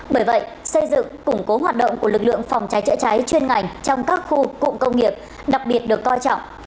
bởi vậy xây dựng củng cố hoạt động của lực lượng phòng trái trịa trái chuyên ngành trong các khu cụm công nghiệp đặc biệt được coi trọng